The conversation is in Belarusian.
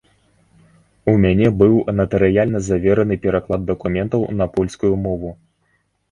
У мяне быў натарыяльна завераны пераклад дакументаў на польскую мову.